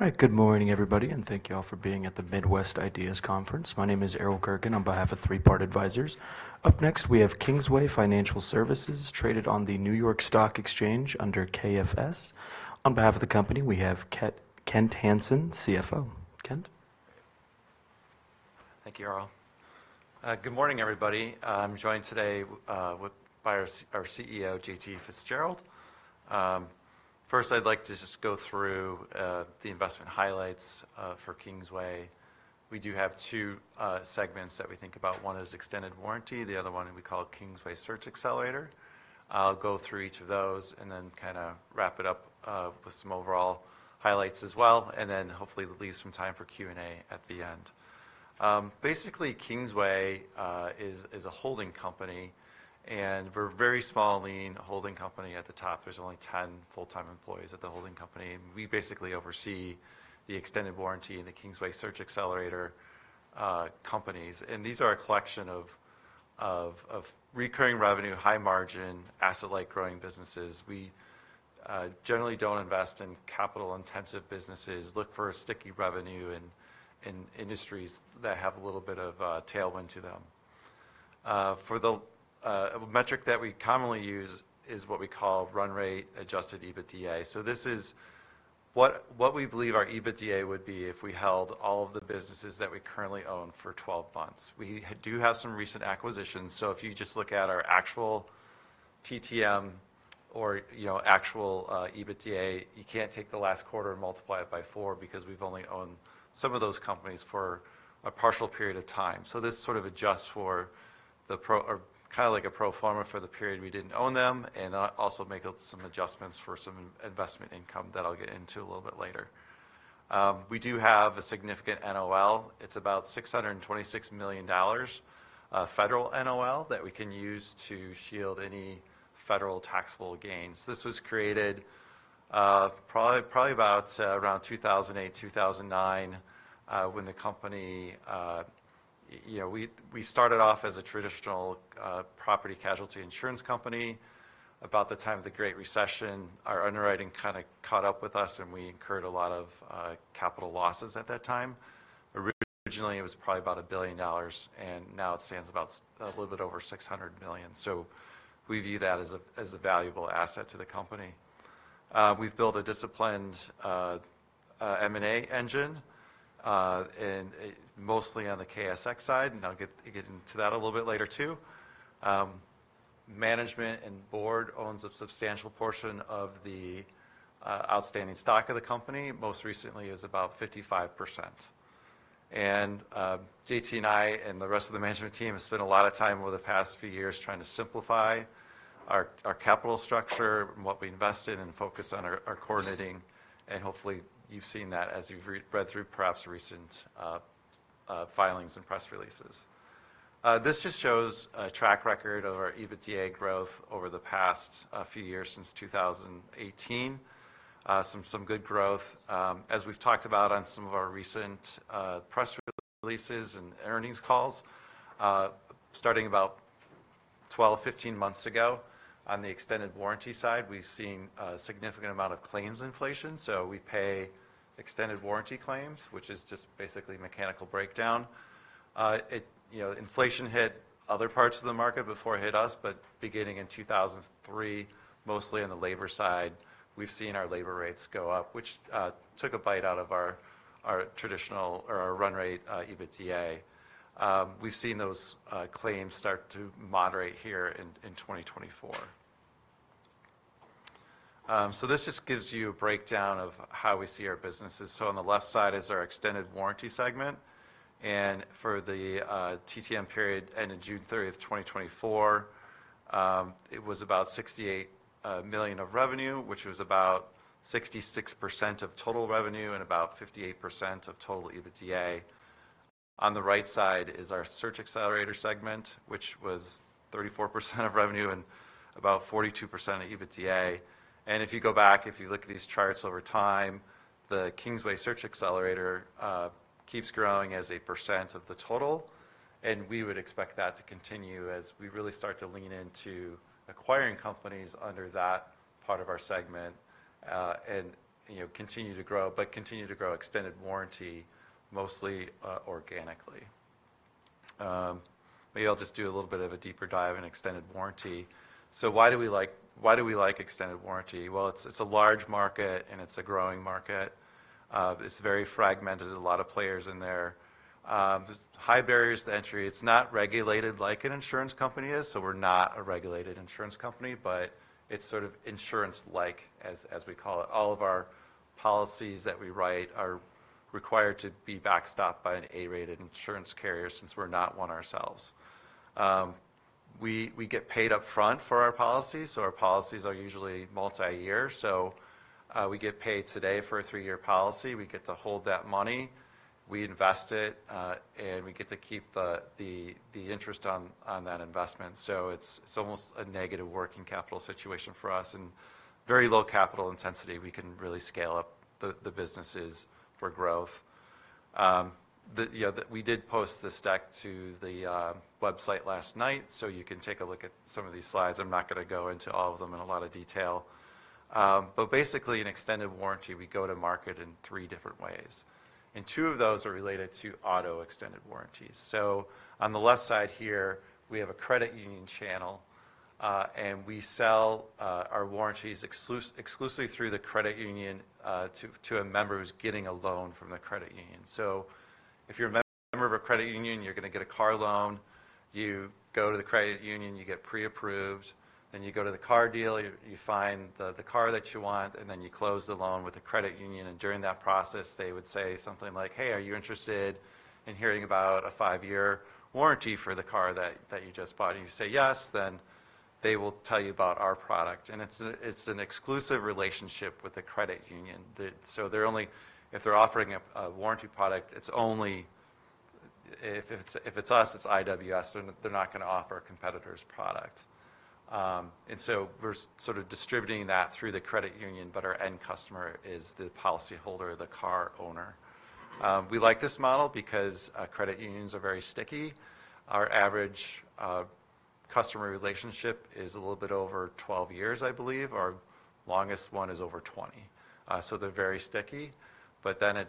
All right. Good morning, everybody, and thank you all for being at the Midwest Ideas Conference. My name is Errol Gerken on behalf of Three Part Advisors. Up next, we have Kingsway Financial Services, traded on the New York Stock Exchange under KFS. On behalf of the company, we have Kent Hansen, CFO. Kent? Thank you, Errol. Good morning, everybody. I'm joined today by our CEO, J.T. Fitzgerald. First, I'd like to just go through the investment highlights for Kingsway. We do have two segments that we think about. One is extended warranty, the other one we call Kingsway Search Accelerator. I'll go through each of those and then kind of wrap it up with some overall highlights as well, and then hopefully that leaves some time for Q&A at the end. Basically, Kingsway is a holding company, and we're a very small, lean holding company at the top. There's only 10 full-time employees at the holding company, and we basically oversee the extended warranty and the Kingsway Search Accelerator companies. These are a collection of recurring revenue, high margin, asset-light growing businesses. We generally don't invest in capital-intensive businesses, look for sticky revenue in industries that have a little bit of tailwind to them. For the metric that we commonly use is what we call run rate adjusted EBITDA. So this is what we believe our EBITDA would be if we held all of the businesses that we currently own for twelve months. We do have some recent acquisitions, so if you just look at our actual TTM or, you know, actual EBITDA, you can't take the last quarter and multiply it by four because we've only owned some of those companies for a partial period of time. This sort of adjusts for the pro forma for the period we didn't own them, and also make up some adjustments for some investment income that I'll get into a little bit later. We do have a significant NOL. It's about $626 million, federal NOL that we can use to shield any federal taxable gains. This was created, probably about around 2008, 2009, when the company. You know, we started off as a traditional, property casualty insurance company. About the time of the Great Recession, our underwriting kind of caught up with us, and we incurred a lot of capital losses at that time. Originally, it was probably about $1 billion, and now it stands about a little bit over $600 million. So we view that as a valuable asset to the company. We've built a disciplined M&A engine, and mostly on the KSX side, and I'll get into that a little bit later, too. Management and board owns a substantial portion of the outstanding stock of the company, most recently is about 55%. JT and I and the rest of the management team have spent a lot of time over the past few years trying to simplify our capital structure, and what we invest in and focus on our core operating. Hopefully, you've seen that as you've re-read through, perhaps, recent filings and press releases. This just shows a track record of our EBITDA growth over the past few years since two thousand and eighteen. Some good growth. As we've talked about on some of our recent press releases and earnings calls, starting about twelve, fifteen months ago, on the extended warranty side, we've seen a significant amount of claims inflation. So we pay extended warranty claims, which is just basically mechanical breakdown. It, you know, inflation hit other parts of the market before it hit us, but beginning in twenty-three, mostly on the labor side, we've seen our labor rates go up, which took a bite out of our traditional or our run rate EBITDA. We've seen those claims start to moderate here in 2024. So this just gives you a breakdown of how we see our businesses. So on the left side is our extended warranty segment, and for the TTM period, ending June 30th, 2024, it was about $68 million of revenue, which was about 66% of total revenue and about 58% of total EBITDA. On the right side is our search accelerator segment, which was 34% of revenue and about 42% of EBITDA. And if you go back, if you look at these charts over time, the Kingsway Search Accelerator keeps growing as a percent of the total, and we would expect that to continue as we really start to lean into acquiring companies under that part of our segment, and you know, continue to grow, but continue to grow extended warranty, mostly organically. Maybe I'll just do a little bit of a deeper dive in extended warranty. Why do we like extended warranty? Well, it's a large market, and it's a growing market. It's very fragmented, a lot of players in there. There's high barriers to entry. It's not regulated like an insurance company is, so we're not a regulated insurance company, but it's sort of insurance-like, as we call it. All of our policies that we write are required to be backstopped by an A-rated insurance carrier, since we're not one ourselves. We get paid upfront for our policies, so our policies are usually multi-year. So, we get paid today for a three-year policy. We get to hold that money, we invest it, and we get to keep the interest on that investment. So it's almost a negative working capital situation for us and very low capital intensity. We can really scale up the businesses for growth. You know, we did post this deck to the website last night, so you can take a look at some of these slides. I'm not gonna go into all of them in a lot of detail. But basically, in extended warranty, we go to market in three different ways, and two of those are related to auto extended warranties. So on the left side here, we have a credit union channel, and we sell our warranties exclusively through the credit union to a member who's getting a loan from the credit union. So if you're a member of a credit union, you're gonna get a car loan, you go to the credit union, you get pre-approved, then you go to the car dealer, you find the car that you want, and then you close the loan with the credit union. And during that process, they would say something like, "Hey, are you interested in hearing about a five-year warranty for the car that you just bought?" And you say yes, then they will tell you about our product, and it's an exclusive relationship with the credit union. So they're only if they're offering a warranty product, it's only if it's us, it's IWS, then they're not gonna offer a competitor's product. And so we're sort of distributing that through the credit union, but our end customer is the policyholder, the car owner. We like this model because credit unions are very sticky. Our average customer relationship is a little bit over twelve years, I believe. Our longest one is over twenty. So they're very sticky, but then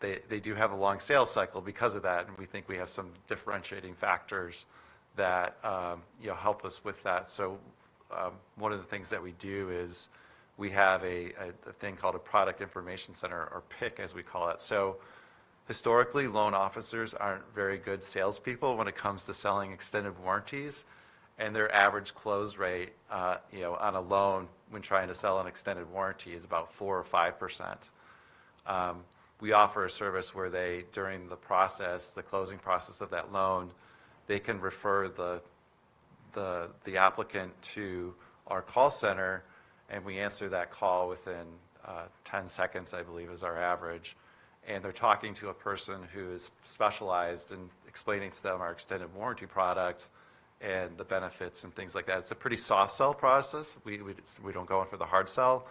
they do have a long sales cycle because of that, and we think we have some differentiating factors that, you know, help us with that. So one of the things that we do is we have a thing called a Product Information Center or PIC, as we call it. So historically, loan officers aren't very good salespeople when it comes to selling extended warranties, and their average close rate, you know, on a loan when trying to sell an extended warranty is about 4% or 5%. We offer a service where they, during the process, the closing process of that loan, they can refer the applicant to our call center, and we answer that call within 10 seconds, I believe, is our average. And they're talking to a person who is specialized in explaining to them our extended warranty product and the benefits and things like that. It's a pretty soft sell process. We don't go in for the hard sell,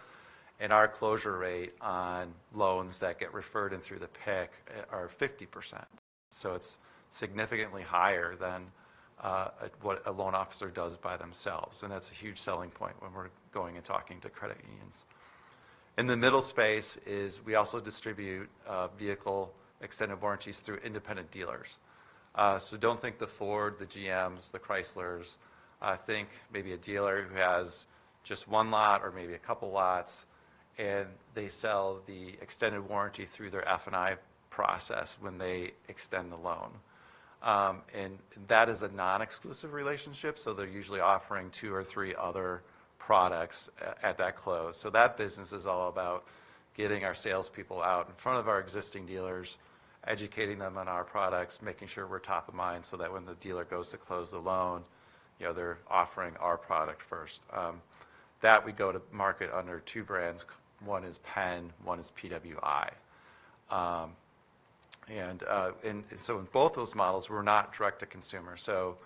and our close rate on loans that get referred in through the PIC are 50%. So it's significantly higher than what a loan officer does by themselves, and that's a huge selling point when we're going and talking to credit unions. In the middle space is we also distribute vehicle extended warranties through independent dealers. So don't think the Ford, the GMs, the Chryslers. Think maybe a dealer who has just one lot or maybe a couple lots, and they sell the extended warranty through their F&I process when they extend the loan. And that is a non-exclusive relationship, so they're usually offering two or three other products at that close. So that business is all about getting our salespeople out in front of our existing dealers, educating them on our products, making sure we're top of mind, so that when the dealer goes to close the loan, you know, they're offering our product first. That we go to market under two brands. One is Penn, one is PWI. And so in both those models, we're not direct to consumer. So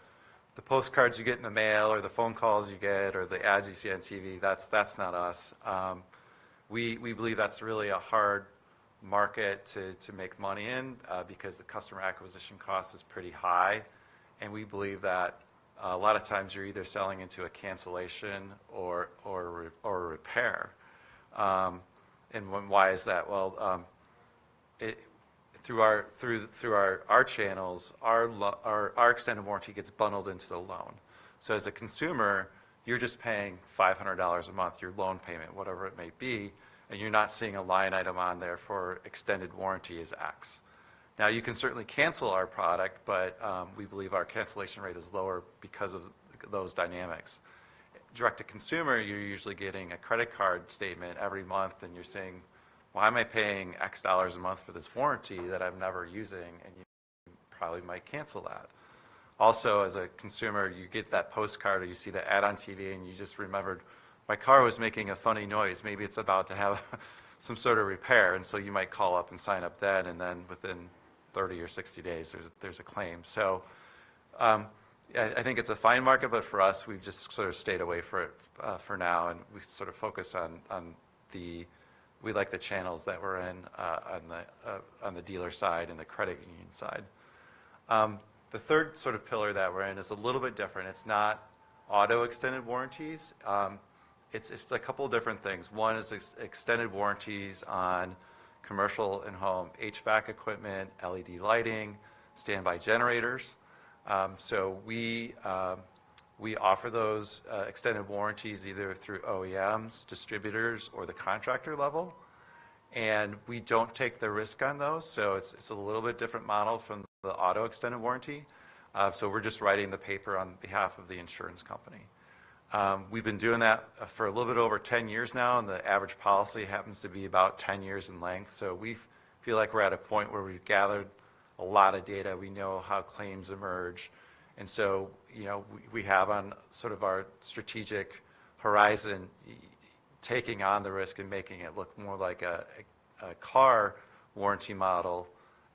the postcards you get in the mail or the phone calls you get or the ads you see on TV, that's not us. We believe that's really a hard market to make money in because the customer acquisition cost is pretty high, and we believe that a lot of times you're either selling into a cancellation or a repair. Why is that? Through our channels, our extended warranty gets bundled into the loan. As a consumer, you're just paying $500 a month, your loan payment, whatever it may be, and you're not seeing a line item on there for extended warranties X. Now, you can certainly cancel our product, but we believe our cancellation rate is lower because of those dynamics. Direct to consumer, you're usually getting a credit card statement every month, and you're saying, "Why am I paying X dollars a month for this warranty that I'm never using?" And you probably might cancel that. Also, as a consumer, you get that postcard, or you see the ad on TV, and you just remembered, "My car was making a funny noise. Maybe it's about to have some sort of repair." And so you might call up and sign up then, and then within 30 or 60 days, there's a claim. I think it's a fine market, but for us, we've just sort of stayed away from it for now, and we sort of focus on the. We like the channels that we're in on the dealer side and the credit union side. The third sort of pillar that we're in is a little bit different. It's not auto extended warranties. It's a couple different things. One is extended warranties on commercial and home HVAC equipment, LED lighting, standby generators. So we offer those extended warranties either through OEMs, distributors, or the contractor level, and we don't take the risk on those, so it's a little bit different model from the auto extended warranty. So we're just writing the paper on behalf of the insurance company. We've been doing that for a little bit over 10 years now, and the average policy happens to be about 10 years in length. So we feel like we're at a point where we've gathered a lot of data. We know how claims emerge, and so, you know, we have on sort of our strategic horizon, taking on the risk and making it look more like a car warranty model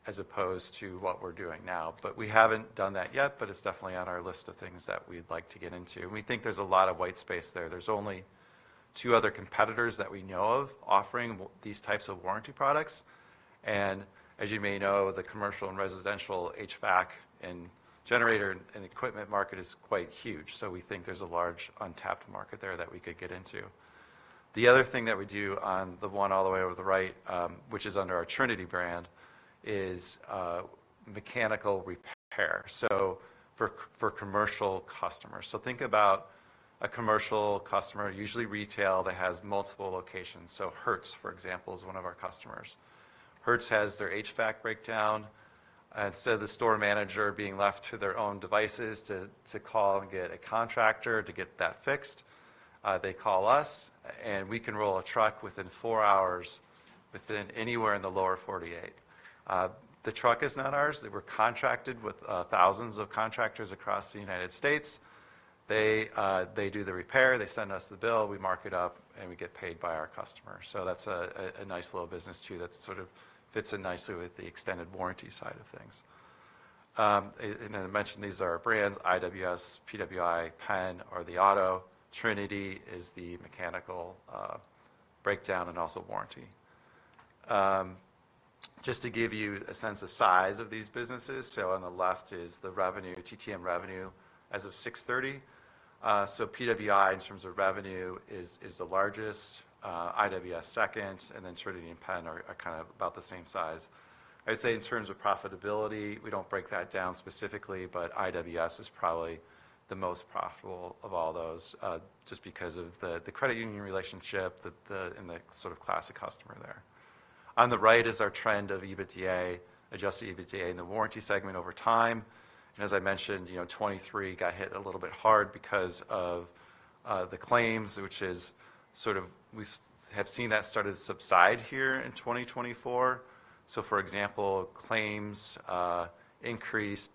as opposed to what we're doing now. But we haven't done that yet, but it's definitely on our list of things that we'd like to get into. We think there's a lot of white space there. There's only two other competitors that we know of offering these types of warranty products. As you may know, the commercial and residential HVAC and generator and equipment market is quite huge, so we think there's a large untapped market there that we could get into. The other thing that we do on the one all the way over the right, which is under our Trinity brand, is mechanical repair, so for commercial customers. So think about a commercial customer, usually retail, that has multiple locations. So Hertz, for example, is one of our customers. Hertz has their HVAC breakdown, and instead of the store manager being left to their own devices to call and get a contractor to get that fixed, they call us, and we can roll a truck within four hours within anywhere in the Lower forty-eight. The truck is not ours. We're contracted with thousands of contractors across the United States. They do the repair, they send us the bill, we mark it up, and we get paid by our customer. So that's a nice little business too that sort of fits in nicely with the extended warranty side of things. And I mentioned these are our brands IWS, PWI, Penn are the auto, Trinity is the mechanical breakdown and also warranty. Just to give you a sense of size of these businesses, so on the left is the revenue, TTM revenue as of six thirty. So PWI, in terms of revenue, is the largest, IWS second, and then Trinity and Penn are kind of about the same size. I'd say in terms of profitability, we don't break that down specifically, but IWS is probably the most profitable of all those, just because of the credit union relationship, and the sort of classic customer there. On the right is our trend of EBITDA, adjusted EBITDA in the warranty segment over time. And as I mentioned, you know, 2023 got hit a little bit hard because of the claims, which is sort of we have seen that start to subside here in 2024. So for example, claims increased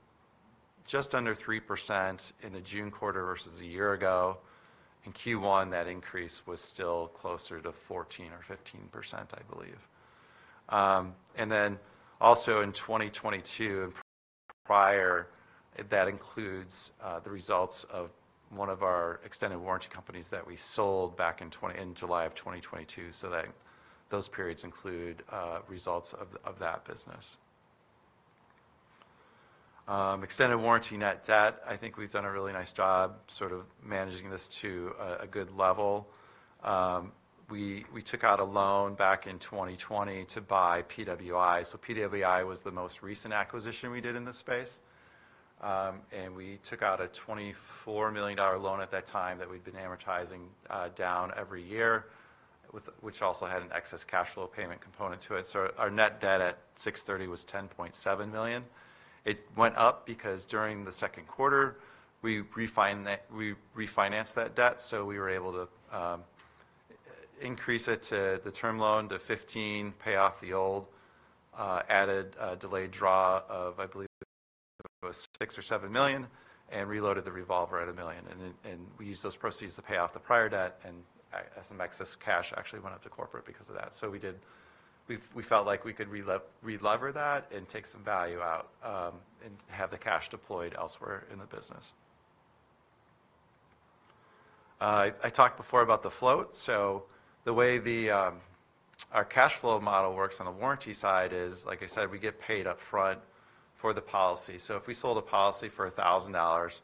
just under 3% in the June quarter versus a year ago. In Q1, that increase was still closer to 14 or 15%, I believe. And then also in 2022 and prior, that includes the results of one of our extended warranty companies that we sold back in 2022. In July of 2022, so that those periods include results of that business. Extended warranty net debt, I think we've done a really nice job sort of managing this to a good level. We took out a loan back in 2020 to buy PWI. So PWI was the most recent acquisition we did in this space. And we took out a $24 million loan at that time that we've been amortizing down every year, which also had an excess cash flow payment component to it. So our net debt at six 30 was $10.7 million. It went up because during the Q2, we refinanced that. We refinanced that debt, so we were able to increase it to the term loan to $15 million, pay off the old added delayed draw of, I believe, $6-$7 million, and reloaded the revolver at $1 million. We used those proceeds to pay off the prior debt, and some excess cash actually went up to corporate because of that. We felt like we could relever that and take some value out, and have the cash deployed elsewhere in the business. I talked before about the float. The way our cash flow model works on the warranty side is, like I said, we get paid up front for the policy. If we sold a policy for $1,000,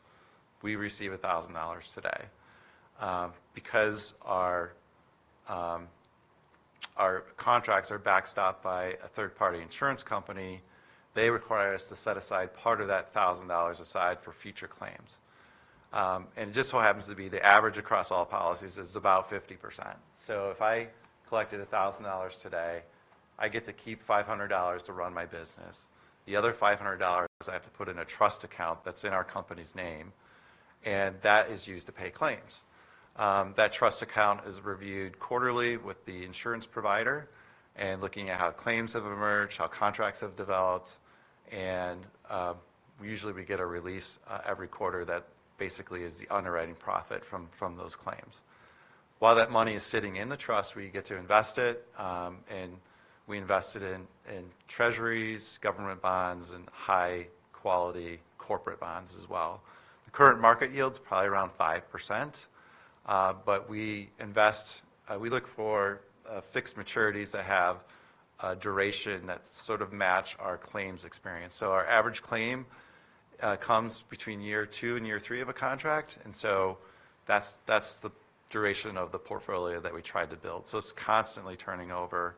we receive $1,000 today. Because our contracts are backstopped by a third-party insurance company, they require us to set aside part of that $1,000 for future claims. Just so happens the average across all policies is about 50%. If I collected $1,000 today, I get to keep $500 to run my business. The other $500, I have to put in a trust account that's in our company's name, and that is used to pay claims. That trust account is reviewed quarterly with the insurance provider, looking at how claims have emerged, how contracts have developed, and usually we get a release every quarter that basically is the underwriting profit from those claims. While that money is sitting in the trust, we get to invest it, and we invest it in treasuries, government bonds, and high-quality corporate bonds as well. The current market yield's probably around 5%, but we invest. We look for fixed maturities that have a duration that sort of match our claims experience. So our average claim comes between year two and year three of a contract, and so that's the duration of the portfolio that we tried to build. So it's constantly turning over.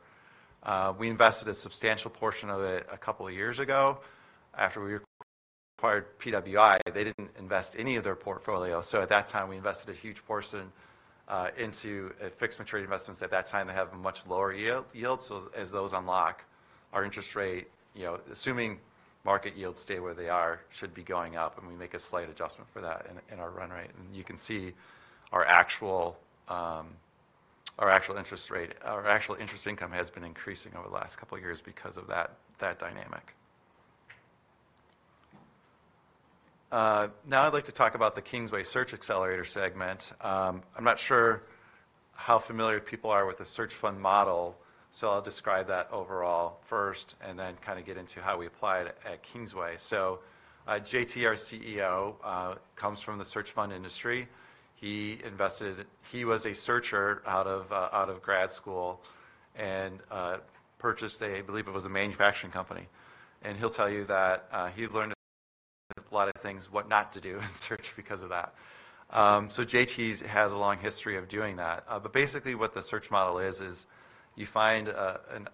We invested a substantial portion of it a couple of years ago after we acquired PWI. They didn't invest any of their portfolio, so at that time, we invested a huge portion into fixed maturity investments. At that time, they have a much lower yield, so as those unlock, our interest rate, you know, assuming market yields stay where they are, should be going up, and we make a slight adjustment for that in our run rate, and you can see our actual interest rate, our actual interest income has been increasing over the last couple of years because of that dynamic. Now I'd like to talk about the Kingsway Search Accelerator segment. I'm not sure how familiar people are with the search fund model, so I'll describe that overall first, and then kind of get into how we apply it at Kingsway, so J.T., our CEO, comes from the search fund industry. He was a searcher out of grad school and purchased a, I believe it was a manufacturing company. And he'll tell you that he learned a lot of things, what not to do in search because of that. So J.T.'s has a long history of doing that. But basically, what the search model is you find an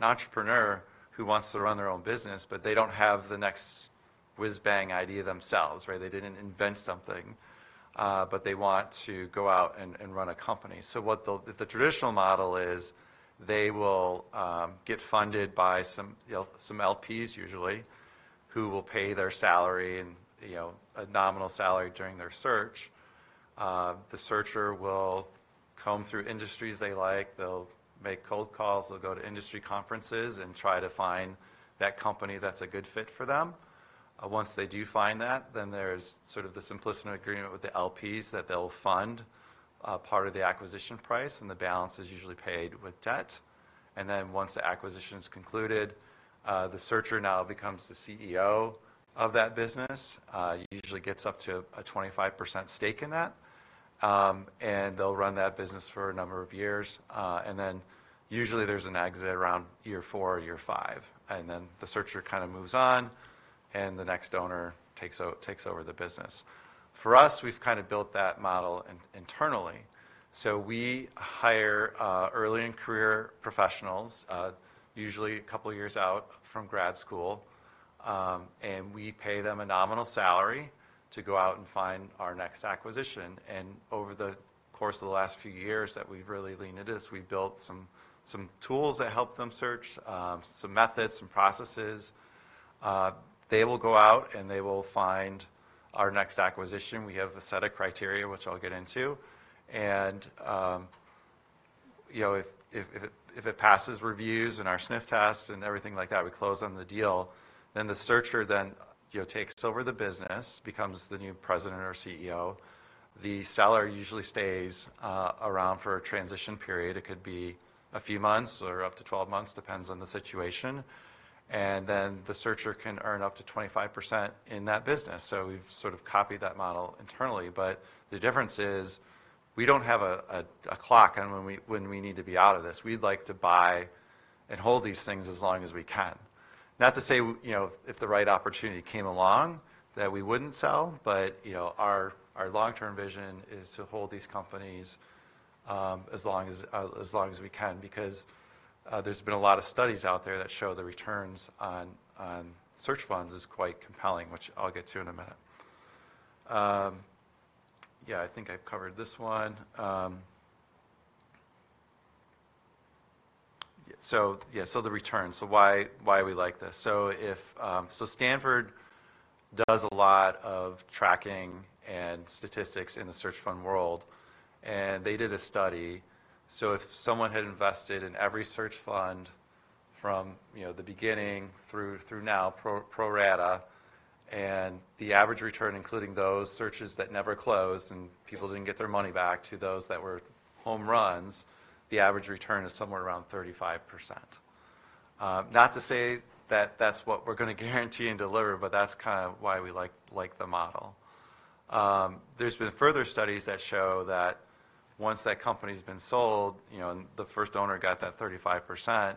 entrepreneur who wants to run their own business, but they don't have the next whiz-bang idea themselves, right? They didn't invent something, but they want to go out and run a company. So what the traditional model is, they will get funded by some, you know, some LPs usually, who will pay their salary and, you know, a nominal salary during their search. The searcher will comb through industries they like, they'll make cold calls, they'll go to industry conferences and try to find that company that's a good fit for them. Once they do find that, then there's sort of the simplistic agreement with the LPs that they'll fund part of the acquisition price, and the balance is usually paid with debt. And then, once the acquisition is concluded, the searcher now becomes the CEO of that business. He usually gets up to a 25% stake in that, and they'll run that business for a number of years. And then, usually, there's an exit around year four or year five, and then the searcher kind of moves on, and the next owner takes over the business. For us, we've kind of built that model internally. So we hire early in career professionals usually a couple of years out from grad school and we pay them a nominal salary to go out and find our next acquisition. And over the course of the last few years that we've really leaned into this, we've built some tools that help them search some methods, some processes. They will go out, and they will find our next acquisition. We have a set of criteria, which I'll get into. And you know, if it passes reviews and our sniff tests and everything like that, we close on the deal, then the searcher takes over the business, becomes the new president or CEO. The seller usually stays around for a transition period. It could be a few months or up to 12 months, depends on the situation, and then, the searcher can earn up to 25% in that business. So we've sort of copied that model internally, but the difference is, we don't have a clock on when we need to be out of this. We'd like to buy and hold these things as long as we can. Not to say, you know, if the right opportunity came along, that we wouldn't sell, but, you know, our long-term vision is to hold these companies as long as we can, because there's been a lot of studies out there that show the returns on search funds is quite compelling, which I'll get to in a minute. Yeah, I think I've covered this one. So yeah, so the returns. So why, why we like this? So Stanford does a lot of tracking and statistics in the search fund world, and they did a study. So if someone had invested in every search fund from, you know, the beginning through now, pro rata, and the average return, including those searches that never closed and people didn't get their money back to those that were home runs, the average return is somewhere around 35%. Not to say that that's what we're gonna guarantee and deliver, but that's kind of why we like, like the model. There's been further studies that show that once that company's been sold, you know, and the first owner got that 35%,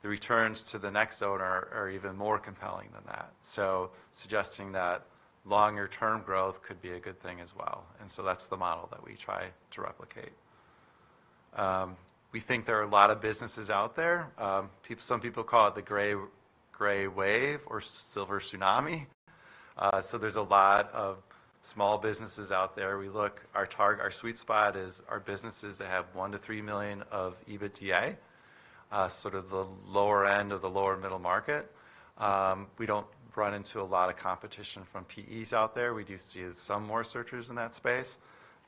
the returns to the next owner are even more compelling than that. So suggesting that longer-term growth could be a good thing as well, and so that's the model that we try to replicate. We think there are a lot of businesses out there. Some people call it the Gray Wave or Silver Tsunami. So there's a lot of small businesses out there. Our sweet spot is businesses that have one to three million of EBITDA, sort of the lower end of the lower middle market. We don't run into a lot of competition from PEs out there. We do see some more searchers in that space,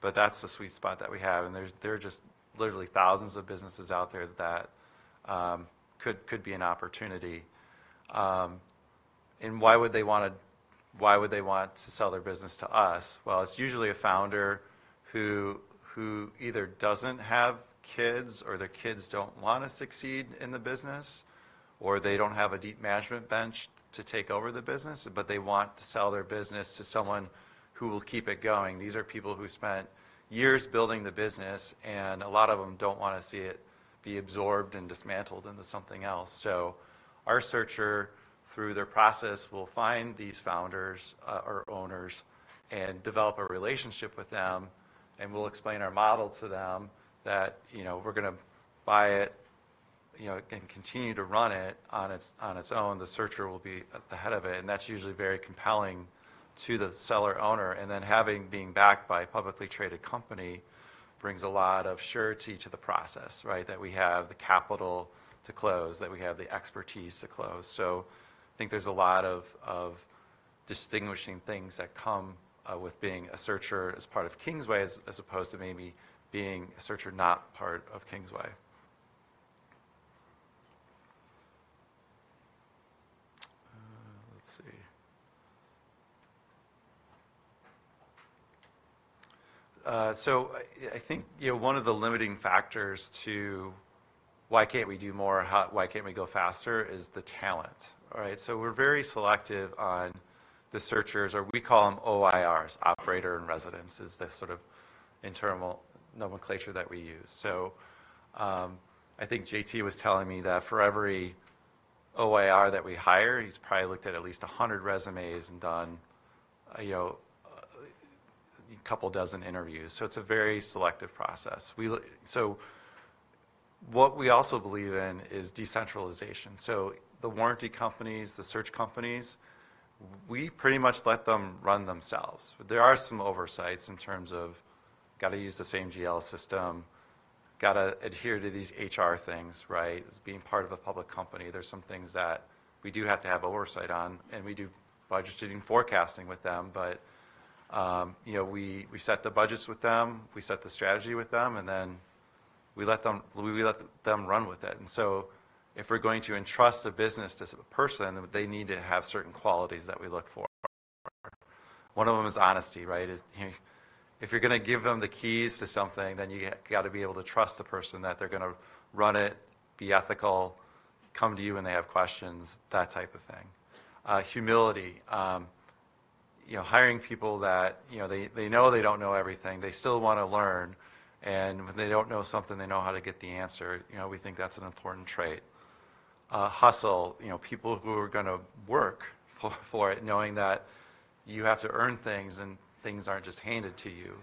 but that's the sweet spot that we have, and there are just literally thousands of businesses out there that could be an opportunity. And why would they want to sell their business to us? It's usually a founder who either doesn't have kids, or their kids don't wanna succeed in the business, or they don't have a deep management bench to take over the business, but they want to sell their business to someone who will keep it going. These are people who spent years building the business, and a lot of them don't wanna see it be absorbed and dismantled into something else. So our searcher, through their process, will find these founders or owners and develop a relationship with them, and we'll explain our model to them, that you know, we're gonna buy it, you know, and continue to run it on its own. The searcher will be at the head of it, and that's usually very compelling to the seller owner. Then, having being backed by a publicly traded company brings a lot of surety to the process, right? That we have the capital to close, that we have the expertise to close. So I think there's a lot of distinguishing things that come with being a searcher as part of Kingsway, as opposed to maybe being a searcher not part of Kingsway. So I think, you know, one of the limiting factors to why can't we do more, why can't we go faster, is the talent. All right? So we're very selective on the searchers, or we call them OIRs, Operator in Residence, is the sort of internal nomenclature that we use. So, I think JT was telling me that for every OIR that we hire, he's probably looked at at least a hundred resumes and done, you know, a couple dozen interviews. So it's a very selective process. What we also believe in is decentralization. So the warranty companies, the search companies, we pretty much let them run themselves. There are some oversights in terms of, gotta use the same GL system, gotta adhere to these HR things, right? As being part of a public company, there's some things that we do have to have oversight on, and we do budget and forecasting with them. But, you know, we set the budgets with them, we set the strategy with them, and then we let them run with it. And so, if we're going to entrust a business to a person, they need to have certain qualities that we look for. One of them is honesty, right? If you're gonna give them the keys to something, then you gotta be able to trust the person that they're gonna run it, be ethical, come to you when they have questions, that type of thing. Humility. You know, hiring people that, you know, they know they don't know everything, they still wanna learn, and when they don't know something, they know how to get the answer. You know, we think that's an important trait. Hustle, you know, people who are gonna work for it, knowing that you have to earn things, and things aren't just handed to you.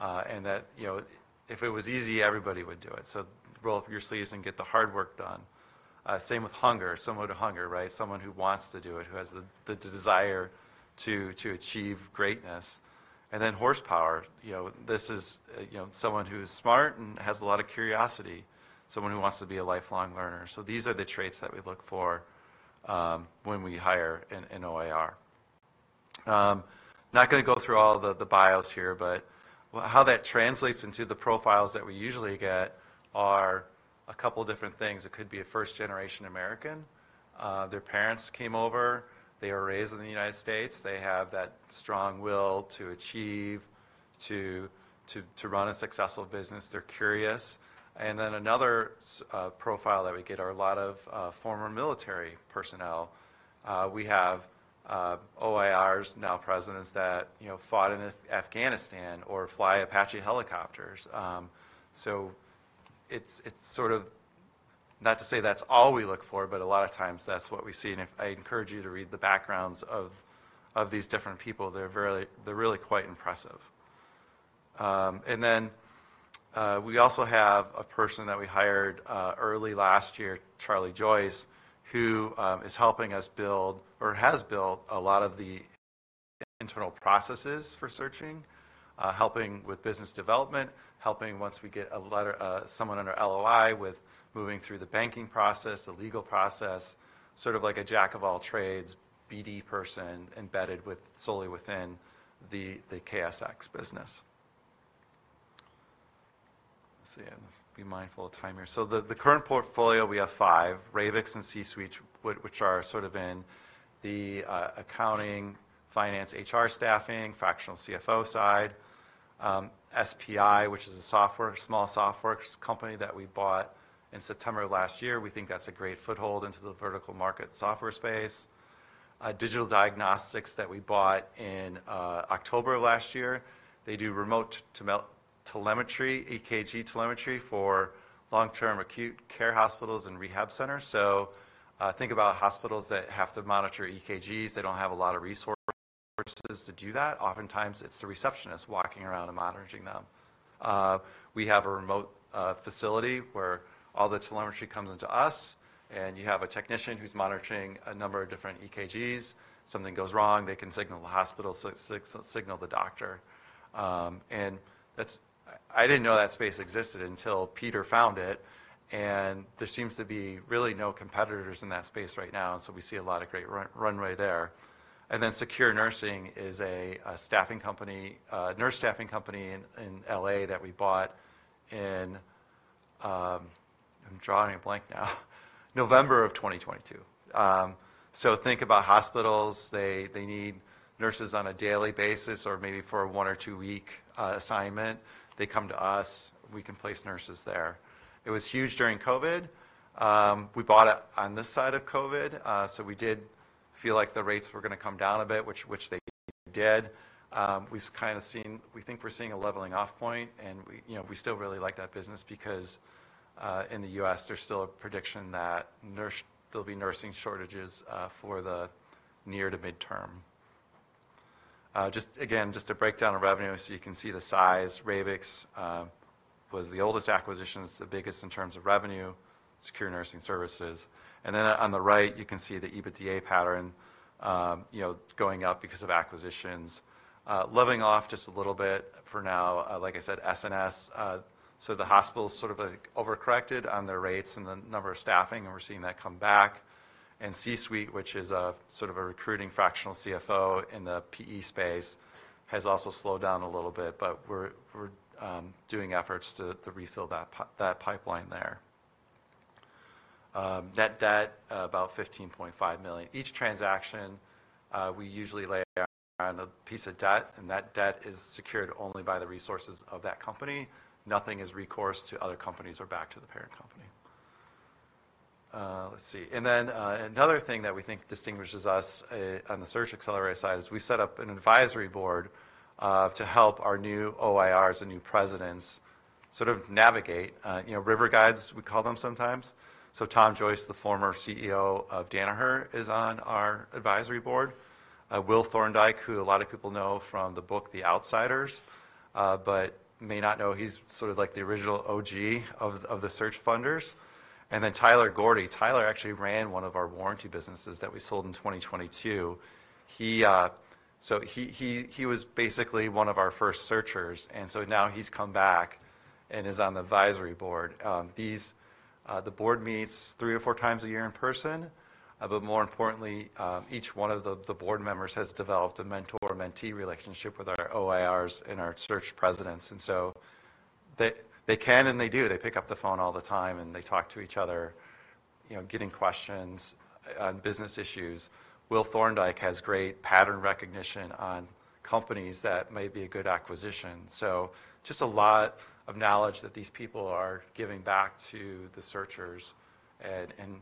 And that, you know, if it was easy, everybody would do it. Roll up your sleeves and get the hard work done. Same with hunger, similar to hunger, right? Someone who wants to do it, who has the desire to achieve greatness. Then horsepower, you know, this is, you know, someone who's smart and has a lot of curiosity, someone who wants to be a lifelong learner. These are the traits that we look for when we hire an OIR. Not gonna go through all the bios here, but how that translates into the profiles that we usually get are a couple different things. It could be a first-generation American. Their parents came over, they were raised in the United States. They have that strong will to achieve, to run a successful business. They're curious. And then another profile that we get are a lot of former military personnel. We have OIRs, now presidents that, you know, fought in Afghanistan or fly Apache helicopters. So it's sort of... Not to say that's all we look for, but a lot of times that's what we see. And I encourage you to read the backgrounds of these different people. They're really quite impressive. And then, we also have a person that we hired early last year, Charlie Joyce, who is helping us build, or has built a lot of the internal processes for searching, helping with business development, helping once we get a letter, someone under LOI, with moving through the banking process, the legal process, sort of like a jack of all trades, BD person, embedded solely within the KSX business. Let's see. I'll be mindful of time here. So the current portfolio, we have five: Ravix and C-Suite, which are sort of in the accounting, finance, HR staffing, fractional CFO side. SPI, which is a software, small software company that we bought in September of last year. We think that's a great foothold into the vertical market software space. Digital Diagnostics that we bought in October of last year. They do remote telemetry, EKG telemetry for long-term acute care hospitals and rehab centers. Think about hospitals that have to monitor EKGs. They don't have a lot of resources to do that. Oftentimes, it's the receptionist walking around and monitoring them. We have a remote facility, where all the telemetry comes into us, and you have a technician who's monitoring a number of different EKGs. Something goes wrong, they can signal the hospital, signal the doctor. And that's. I didn't know that space existed until Peter found it, and there seems to be really no competitors in that space right now, so we see a lot of great runway there. And then Secure Nursing is a staffing company, nurse staffing company in, in LA that we bought in... November of 2022. So think about hospitals. They need nurses on a daily basis, or maybe for a one- or two-week assignment. They come to us, we can place nurses there. It was huge during COVID. We bought it on this side of COVID, so we did feel like the rates were gonna come down a bit, which they did. We've kinda seen we think we're seeing a leveling off point, and we, you know, we still really like that business because in the U.S., there's still a prediction that there'll be nursing shortages for the near to mid-term. Just a breakdown of revenue, so you can see the size. Ravix was the oldest acquisition, it's the biggest in terms of revenue, Secure Nursing Services. And then on the right, you can see the EBITDA pattern, you know, going up because of acquisitions. Leveling off just a little bit for now, like I said, SNS. So the hospitals sort of like overcorrected on their rates and the number of staffing, and we're seeing that come back. And C-Suite, which is a sort of a recruiting fractional CFO in the PE space, has also slowed down a little bit, but we're doing efforts to refill that pipeline there. Net debt, about $15.5 million. Each transaction, we usually lay down on a piece of debt, and that debt is secured only by the resources of that company. Nothing is recourse to other companies or back to the parent company. Let's see. And then, another thing that we think distinguishes us, on the search accelerator side, is we set up an advisory board, to help our new OIRs and new presidents sort of navigate. You know, river guides, we call them sometimes. So Tom Joyce, the former CEO of Danaher, is on our advisory board. Will Thorndike, who a lot of people know from the book, The Outsiders, but may not know, he's sort of like the original OG of the search funders. And then Tyler Gordy. Tyler actually ran one of our warranty businesses that we sold in 2022. He was basically one of our first searchers, and so now he's come back and is on the advisory board. These... The board meets three or four times a year in person, but more importantly, each one of the board members has developed a mentor-mentee relationship with our OIRs and our search presidents, and so they can, and they do. They pick up the phone all the time, and they talk to each other, you know, getting questions on business issues. Will Thorndike has great pattern recognition on companies that may be a good acquisition. So just a lot of knowledge that these people are giving back to the searchers, and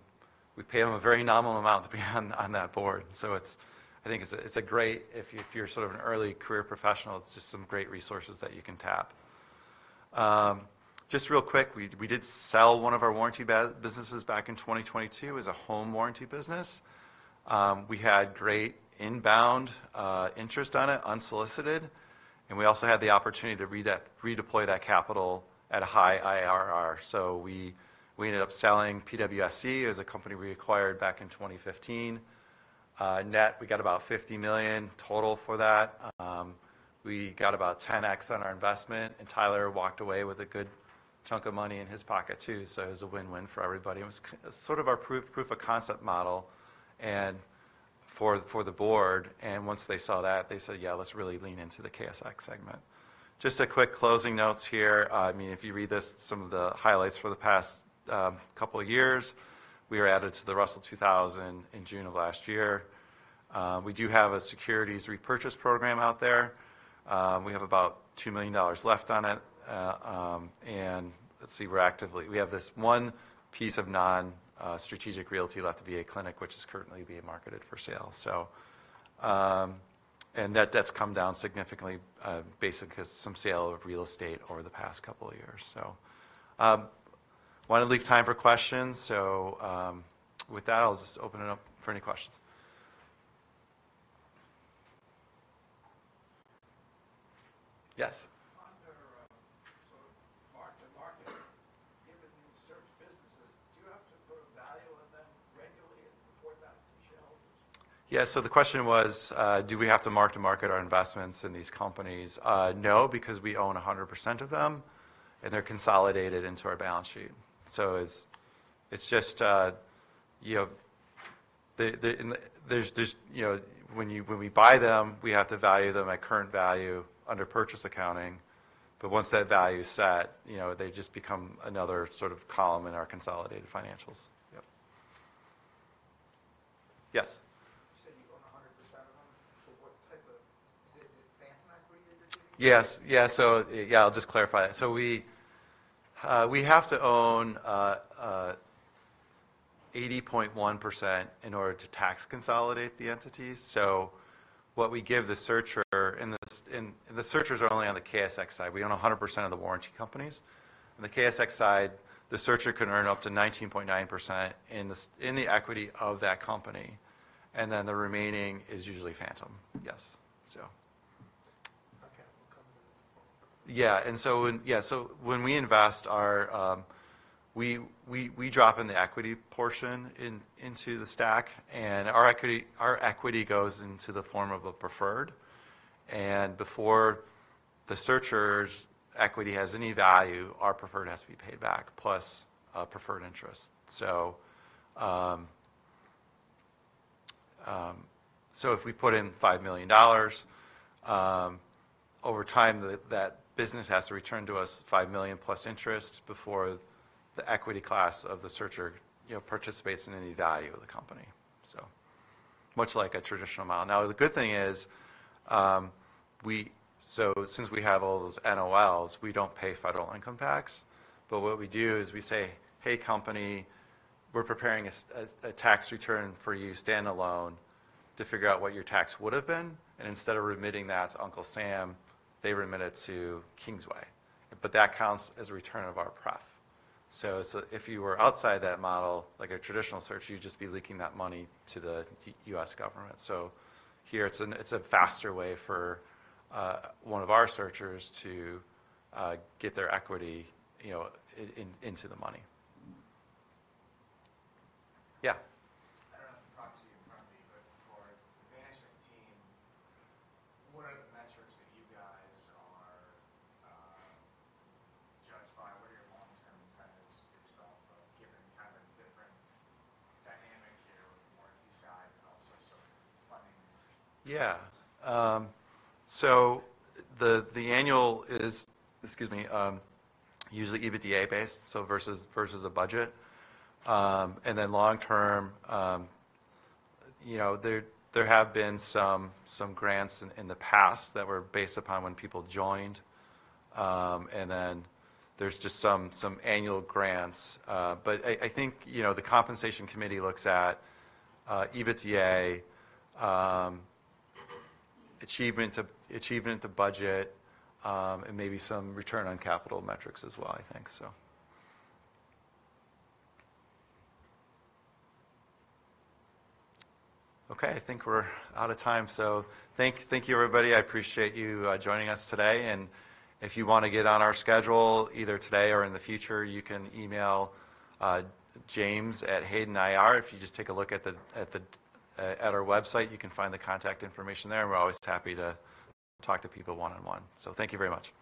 we pay them a very nominal amount to be on that board. So it's. I think it's a great if you're sort of an early career professional, it's just some great resources that you can tap. Just real quick, we did sell one of our warranty businesses back in 2022. It was a home warranty business. We had great inbound interest on it, unsolicited, and we also had the opportunity to redeploy that capital at a high IRR. So we ended up selling PWSC. It was a company we acquired back in 2015. Net, we got about $50 million total for that. We got about 10X on our investment, and Tyler walked away with a good chunk of money in his pocket, too, so it was a win-win for everybody. It was sort of our proof of concept model, and for the board, and once they saw that, they said, "Yeah, let's really lean into the KSX segment." Just a quick closing notes here. I mean, if you read this, some of the highlights for the past couple of years, we were added to the Russell 2000 in June of last year. We do have a securities repurchase program out there. We have about $2 million left on it. And let's see, we're actively-- we have this one piece of non-strategic realty left, a VA clinic, which is currently being marketed for sale. So, and that debt's come down significantly, basically 'cause some sale of real estate over the past couple of years. So, wanted to leave time for questions, so, with that, I'll just open it up for any questions. Yes? Under, sort of mark-to-market, given these search businesses, do you have to put a value on them regularly and report that to shareholders? Yeah, so the question was, do we have to mark to market our investments in these companies? No, because we own 100% of them, and they're consolidated into our balance sheet. So it's just, there's, you know... When we buy them, we have to value them at current value under purchase accounting, but once that value is set, you know, they just become another sort of column in our consolidated financials. Yep. Yes? You said you own 100% of them. So what type of... Is it, is it phantom equity that you're getting? Yes. Yeah, so yeah, I'll just clarify that. So we have to own 80.1% in order to tax consolidate the entities. So what we give the searcher in the searchers are only on the KSX side. We own 100% of the warranty companies. On the KSX side, the searcher can earn up to 19.9% in the equity of that company, and then the remaining is usually phantom. Yes. So... Okay, couple of... Yeah, so when we invest our, we drop in the equity portion into the stack, and our equity goes into the form of a preferred, and before the searcher's equity has any value, our preferred has to be paid back, plus a preferred interest. So, so if we put in $5 million, over time, that business has to return to us $5 million plus interest before the equity class of the searcher, you know, participates in any value of the company. So much like a traditional model. Now, the good thing is, so since we have all those NOLs, we don't pay federal income tax, but what we do is we say, "Hey, company, we're preparing a tax return for you standalone to figure out what your tax would've been," and instead of remitting that to Uncle Sam, they remit it to Kingsway, but that counts as a return of our pref. So if you were outside that model, like a traditional search, you'd just be leaking that money to the U.S. government. So here, it's a faster way for one of our searchers to get their equity, you know, into the money. Yeah? I don't have the proxy in front of me, but for the management team, what are the metrics that you guys are judged by? What are your long-term incentives based off of, given kind of a different dynamic here with the warranty side and also sort of funding this? Yeah. So the annual is usually EBITDA-based, so versus a budget. And then long term, you know, there have been some grants in the past that were based upon when people joined, and then there's just some annual grants. But I think, you know, the compensation committee looks at EBITDA achievement to budget, and maybe some return on capital metrics as well, I think so. Okay, I think we're out of time, so thank you, everybody. I appreciate you joining us today, and if you wanna get on our schedule, either today or in the future, you can email james@haydenir.com. If you just take a look at our website, you can find the contact information there, and we're always happy to talk to people one-on-one, so thank you very much.